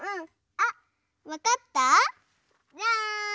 あわかった？じゃん！